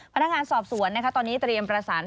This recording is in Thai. พนักงานสอบสวนตอนนี้เตรียมประสาน